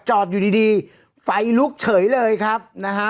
อยู่ดีดีไฟลุกเฉยเลยครับนะฮะ